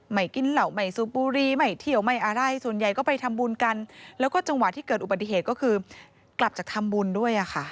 ไม่กินเหล่าไม่สูบบุรีไม่เที่ยวไม่อะไรส่วนใหญ่ก็ไปทำบุญกันแล้วก็จังหวะที่เกิดอุบัติเหตุก็คือกลับจากทำบุญด้วยอ่ะค่ะ